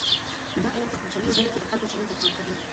دا علم په کوچنیو ډلو کې د خلګو چلند ته پام کوي.